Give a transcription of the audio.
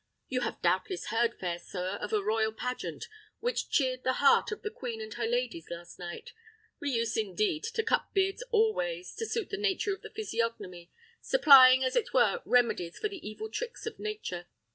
You have doubtless heard, fair sir, of the royal pageant, which cheered the heart of the queen and her ladies last night. We use, indeed, to cut beards all ways, to suit the nature of the physiognomy; supplying, as it were, remedies for the evil tricks of nature.